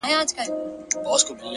عاجزي د حکمت ملګرې ده